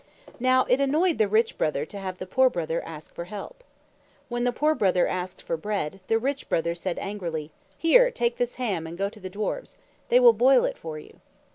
Now it annoyed the Rich Brother to have the Poor Brother ask for help. When the Poor Brother asked for bread, the Rich Brother said angrily, "Here, take this ham and go to the dwarfs. They will boil it for you."